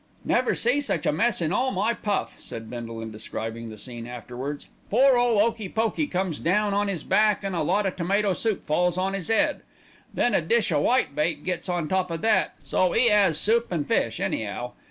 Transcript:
"Never see such a mess in all my puff," said Bindle in describing the scene afterwards. "Pore ole 'Okey Pokey comes down on 'is back and a lot o' tomato soup falls on 'is 'ead. Then a dish o' whitebait gets on top of that, so 'e 'as soup and fish any'ow.